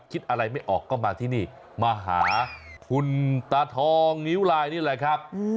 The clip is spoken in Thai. คิดอะไรไม่ออกก็มาที่นี่มาหาคุณตาทองนิ้วลายนี่แหละครับ